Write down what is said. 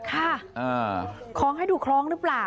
คล้องให้ดูคล้องหรือเปล่า